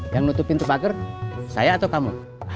yang nutup pintu pagar saya atau kamu